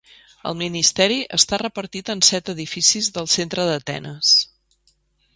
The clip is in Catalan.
El ministeri està repartit en set edificis del centre d'Atenes.